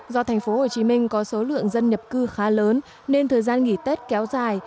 do tp hcm có số lượng dân nhập cư khá lớn nên thời gian nghỉ tết kéo dài